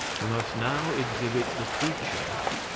We must now exhibit the future."